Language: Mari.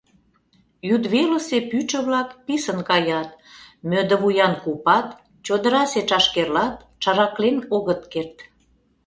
Йӱдвелысе пӱчӧ-влак писын каят; мӧдывуян купат, чодырасе чашкерлат чараклен огыт керт.